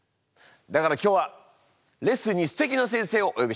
だから今日はレッスンにすてきな先生をおよびした。